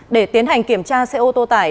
để tiến hành kiểm tra xe ô tô tải